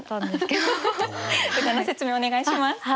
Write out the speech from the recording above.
歌の説明お願いします。